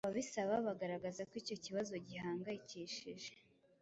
Ababisaba bagaragaza ko icyo kibazo gihangayikishije